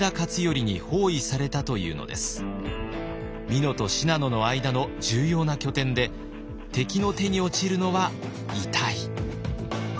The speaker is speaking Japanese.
美濃と信濃の間の重要な拠点で敵の手に落ちるのは痛い。